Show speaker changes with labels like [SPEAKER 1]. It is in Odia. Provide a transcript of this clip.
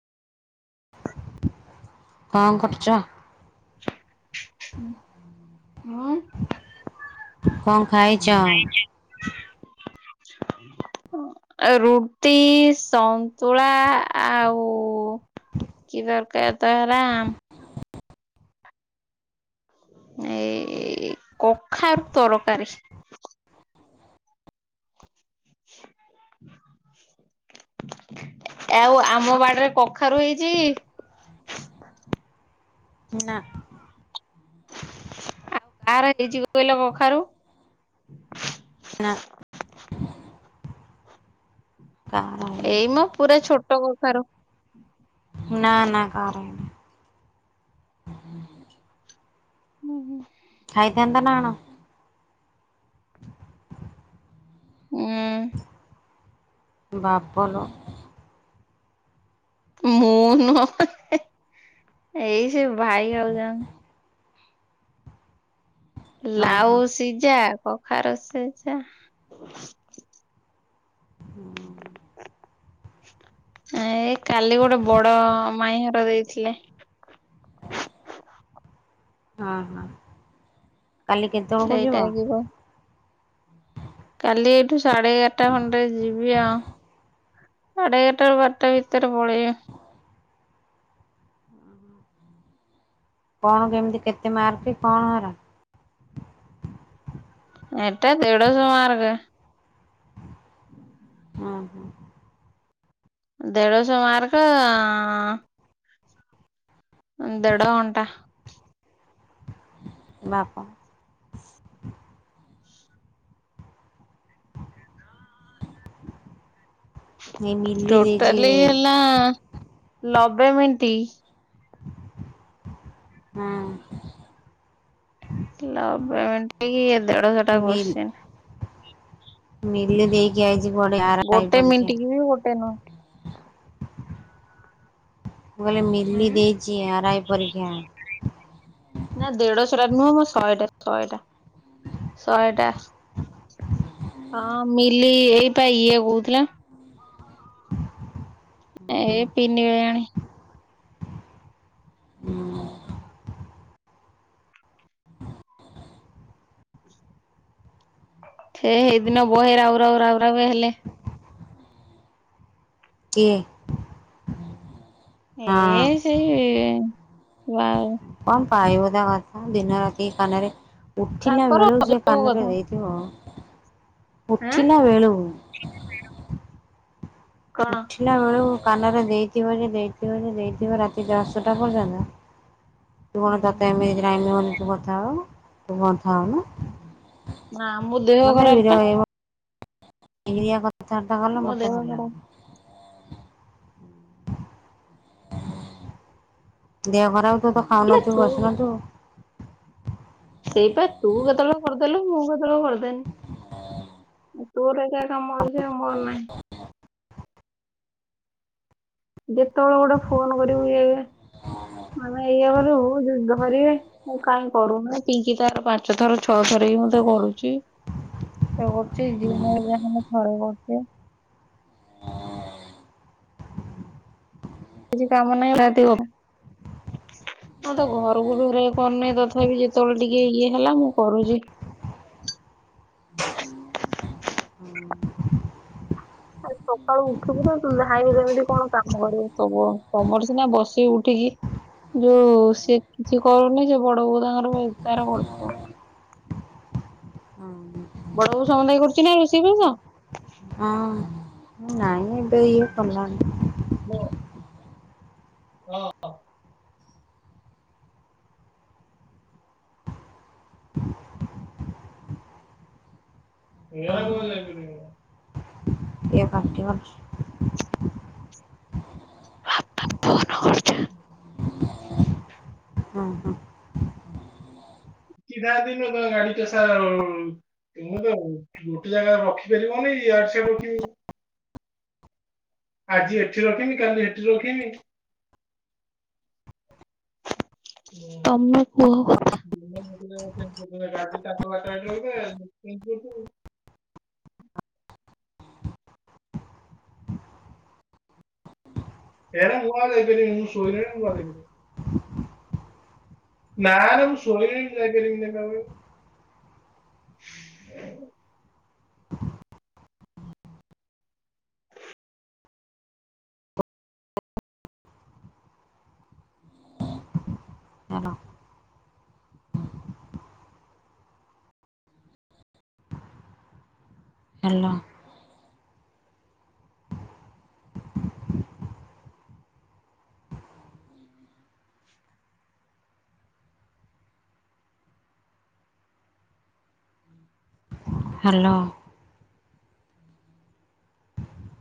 [SPEAKER 1] କଣ କରୁଚ?
[SPEAKER 2] ମ
[SPEAKER 1] କଣ ଖାଇଛ?
[SPEAKER 2] ରୁଟି, ସନ୍ତୁଳା ଆଉ କି ଦରକାର ତ ହେରା ଆମ ଏଇ କଖାରୁ ତରକାରୀ। [inaudible] ଆଉ ଆମ ବାଡରେ କଖାରୁ ହେଇଛି। [inaudible]
[SPEAKER 1] ନା।
[SPEAKER 2] ଆ କାହାର ହେଇଛି କହିଲ କଖାରୁ
[SPEAKER 1] ନା। କାର ହେଇନି
[SPEAKER 2] ଏଇ ମ ପୁରା ଛୋଟ କଖାରୁ।
[SPEAKER 1] ନା ନା କହାର ହେଇନି। [inaudible]
[SPEAKER 2] ଉଁ ହୁଁ।
[SPEAKER 1] ଖାଇଥାତ ନାଣ
[SPEAKER 2] ଉଁ
[SPEAKER 1] ବାପଲୋ।
[SPEAKER 2] ମୁଁ ନୁହଁ ଏଇ ସେ ଭାଇ ଘରଜନ୍
[SPEAKER 1] ଓହୋ।
[SPEAKER 2] ଲାଉ ସିଜା କଖାରୁ ସିଜା। ଏଇ କାଲି ଗୋଟେ ବଡ ମାଇଁ ଘର ଦେଇଥିଲେ।
[SPEAKER 1] ଅଁ ହଁ କାଲି କେତେବେଳକୁ ଯିବ?
[SPEAKER 2] କାଲି ଏଇଠୁ ସାଢେ ଏଗାରଟା ଖଣ୍ଡେ ଯିବି ଆଉ। ସାଢେଏଗାରଟା ବାରଟା ଭିତରେ ପଳେଇବି।
[SPEAKER 1] କଣ କେମିତି କେତେ ମାର୍କ କଣ ଏରା।
[SPEAKER 2] ଏଟା ଦେଢସ ମାରକ। ହୁଁ
[SPEAKER 1] ଅହଁ।
[SPEAKER 2] ଦେଢ଼ସ ମାର୍କ ଅଁ ଦେଢ଼ଘଣ୍ଟା
[SPEAKER 1] ବାପ ଏଇ ମିଲି ଦେଇଛି
[SPEAKER 2] ଟୋଟାଲି ହେଲା ଲବେ ମିଣ୍ଟୀ।
[SPEAKER 1] ହଁ।
[SPEAKER 2] ଲବେ ମିଣ୍ଟୀ ଦେଢଶହ ଟା
[SPEAKER 1] ମିଲ୍
[SPEAKER 2] କୋଶ୍ଚିନ।
[SPEAKER 1] ମିଲି ଦେଇକି ଆଇଛି ପଡି ଆରାଇ
[SPEAKER 2] ଗୋଟେ
[SPEAKER 1] ପରିକ୍ଷା।
[SPEAKER 2] ମିଣ୍ଟି କି ବି ଗୋଟେ ନୁହଁ
[SPEAKER 1] ମୁଁ କହିଲି ମିଲି
[SPEAKER 2] ହୁଁ
[SPEAKER 1] ଦେଇଛି ଆରାଇ ପରୀକ୍ଷା।
[SPEAKER 2] ନା ଦେଢଶହଟା ନୁହଁ ମୋ ଶହେଟା ଶହେଟା, ଶହେଟା। ହଁ ମିଲି ଏଇପା ଇଏ କହୁଥିଲା। ଏଇ ପିଇନି ଆଣି।
[SPEAKER 1] ହଁ
[SPEAKER 2] ଏ ହେଇ ଦିନ ବହେ ରାଉ ରାଉ ରାଉ ରାଉ ହେଲେ।
[SPEAKER 1] କିଏ? ହଁ
[SPEAKER 2] ଏ ସେଇ ବା ଆଉ।
[SPEAKER 1] କଁ ପାଇବ ତା କଥା? ଦିନ ରାତି କାନରେ ଉଠିଲା
[SPEAKER 2] ତାଙ୍କର
[SPEAKER 1] ବେଳୁ ସେ
[SPEAKER 2] ଅଯୋଗ
[SPEAKER 1] କାନରେ
[SPEAKER 2] କଥା
[SPEAKER 1] ଏ ହଁ
[SPEAKER 2] ଆଁ
[SPEAKER 1] ଉଠିଲା ବେଳୁ।
[SPEAKER 2] କଣ
[SPEAKER 1] ଉଠିଲା ବେଳୁ କାନରେ ଦେଇଥିବ ଯେ ଦେଇଥିବ ଯେ ଦେଇଥିବ ରାତି ଦଶଟା ପର୍ଯ୍ୟନ୍ତ। ତୁ କଣ
[SPEAKER 2] ହୁଁ
[SPEAKER 1] ତତେ ଏମିତି ଟାଇମ୍ ହଉନି ତୁ କଥା ହବାକୁ? ତୁ କଥା ହଉନୁ।
[SPEAKER 2] ନାଁ ମୋ ଦେହ ଖରାପ ପା।
[SPEAKER 1] ଏଇଆ କଥାବାର୍ତ୍ତା କଲେ
[SPEAKER 2] ମୋ
[SPEAKER 1] ମତେ
[SPEAKER 2] ଦେହ
[SPEAKER 1] ଭଲ
[SPEAKER 2] ଖରାପ
[SPEAKER 1] ଲାଗେନି। ଦେହ ଖରାପ ତୁ ତ ଖାଉ
[SPEAKER 2] ନା
[SPEAKER 1] ନଥୁବୁ
[SPEAKER 2] ତୁ
[SPEAKER 1] ବସୁ ନଥୁବୁ।
[SPEAKER 2] ସେଇପା ତୁ କେତୋଳେ କରିଦେଲୁ ମୁଁ କେତୋଳେ କରିଦେନି ଏ ତୋର ଏକା ତମର ଯେ ଆମର ନାହିଁ। ଯେତୋଳେ ଗୋଟେ ଫୋନ୍ କରିବୁ ଇଏ ମାନେ ଇଏ କରିବୁ ଯଦି ଧରିବେ ମୁଁ କାଇଁ କରୁନେଇ ପିଙ୍କି ତାର ପାଞ୍ଚ ଥର ଛଅ ଥର କି ମତେ କରୁଚି। ଇଏ କରୁଚି ଦିନରେ ଯାହା ହେନେ ଥରେ କରୁଚି। କିଛି କାମ ନାହିଁ ରାତି ଗ ମୁଁ ତ ଘରୁକୁ ଫେର ଇଏ କରୁନେଇ ତଥାପି ଯେତୋଳେ ଟିକେ ଇଏ ହେଲା ମୁଁ କରୁଚି। ଏ ସକାଳୁ ଉଠିବୁ ନା ତୁ ଧାଇଁବୁ କେମିତି କଣ କାମ କରିବୁ ସବୁ ତମର ସିନା ବସି ଉଠିକି ଯୋଉ ସିଏ କିଛି କରୁନି ସେ ବଡ଼ ବୋଉ ତାଙ୍କର ବେପାର କରୁଥୁବ।
[SPEAKER 1] ଉଁ ହୁଁ।
[SPEAKER 2] ବଡ଼ ବୋଉ ସମଦାୟ କରୁଚି ନା ରୋଷେଇ ବାସ?
[SPEAKER 1] ହଁ ନାଇଁ ଏବେ ଇଏ କଲାଣି।
[SPEAKER 2] କୁହ ହଁ। ଏ ଆଉ
[SPEAKER 1] ହଁ
[SPEAKER 2] କୁଆଡ଼େ ଯାଇପାରିବିନି ମୁଁ।
[SPEAKER 1] ଏ ଭାଗ୍ୟ
[SPEAKER 2] ବାପା ଫୋନ କରୁ
[SPEAKER 1] ଅଁ ହଁ।
[SPEAKER 2] ପିସା ଦିନୁ ତ ଗାଡ଼ି କେସା ଉ ତୁମେ ତ ଗୋଟେ ଜାଗାରେ ରଖିପାରିବନେଇ ୟାଡ଼େ ସିଆଡ଼େ ରଖି ଆଜି ଏଠି ରଖିମି କାଲି ହେଠି ରଖିମି। ତମେ କୁହ କଥା। ପ୍ଲେ ଚେଞ୍ଚ୍ କରିଦବା ଗାଡ଼ି ତାଙ୍କ ଗାଡ଼ିଟା ହେଠି ରଖିଦବା ୟା ଦୁ କରୁଥୁବୁ। ହେରା ମୁଁ ଆଉ ଯାଇପାରିବିନି ମୁଁ ଶୋଇଲିଣି ମୁଁ ଆଉ ଯାଇପାରି ନାଁ ରେ ମୁଁ ଶୋଇଲିଣି ମୁଁ ଯାଇପାରିବିନେଇ ପା କହିଲି।
[SPEAKER 1] ଅହ। ହାଲୋ। ହାଲୋ।